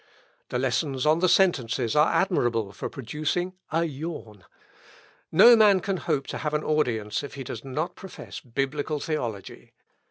The lessons on the sentences are admirable for producing a yawn. No man can hope to have an audience if he does not profess Biblical theology."